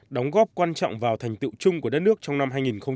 đóng góp quan trọng vào thành tựu chung của đất nước trong năm hai nghìn một mươi sáu